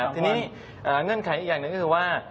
ทีนี้เงื่อนไขอีกอย่างหนึ่งก็คือว่า